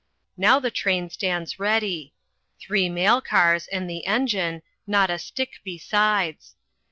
Now the train stands ready three mail cars and the engine, not a stick besides.